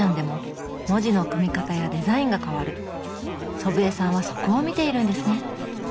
祖父江さんはそこを見ているんですね。